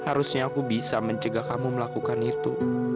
harusnya aku bisa mencegah kamu melakukan itu